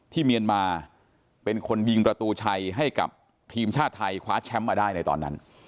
เมียนมาเป็นคนยิงประตูชัยให้กับทีมชาติไทยคว้าแชมป์มาได้ในตอนนั้น